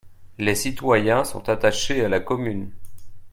Les citoyens sont attachés à la commune.